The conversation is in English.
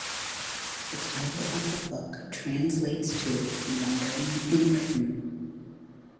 The title of the book translates to "Wandering in Britain".